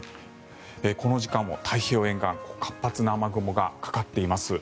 この時間も太平洋沿岸活発な雨雲がかかっています。